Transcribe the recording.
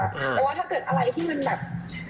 แต่ว่าถ้าเกิดอะไรที่มันแบบ